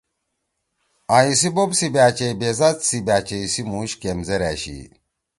آں ایسی بوب سی باچائی بیذات سی باچئ سی موش کیمزیر أشی۔